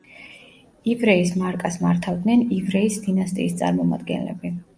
ივრეის მარკას მართავდნენ ივრეის დინასტიის წარმომადგენლები.